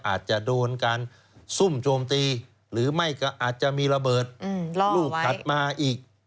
อาจจะโดนการซุ่มโจมตีหรือไม่ก็อาจจะมีระเบิดลูกถัดมาอีก